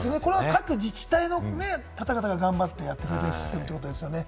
各自治体の方々が頑張ってやってくれてるということですよね。